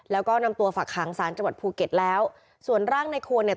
แล้วก็นำตัวฝากหางศาลจังหวัดภูเก็ตแล้วส่วนร่างในควรเนี่ย